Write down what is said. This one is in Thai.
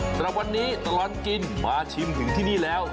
สำหรับวันนี้ตลอดกินมาชิมถึงที่นี่แล้ว